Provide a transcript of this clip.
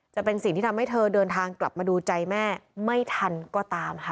จะเป็นสิ่งที่ทำให้เธอเดินทางกลับมาดูใจแม่ไม่ทันก็ตามค่ะ